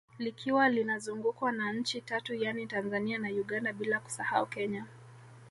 Likiwa linazungukwa na nchi Tatu yani Tanzania na Uganda bila kusahau Kenya